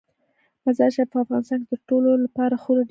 مزارشریف په افغانستان کې د ټولو لپاره خورا ډېر اهمیت لري.